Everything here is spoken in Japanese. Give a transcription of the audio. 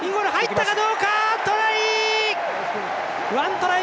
トライ！